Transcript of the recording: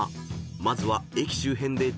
まずは］